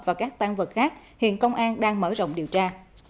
và các tan vật khác hiện công an đang mở rộng điều tra